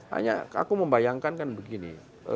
hanya aku membayangkan kan begini